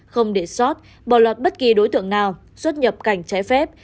không để sót bỏ lọt bất kỳ đối tượng nào xuất nhập cảnh trái phép